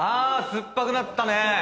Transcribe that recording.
酸っぱくなったね。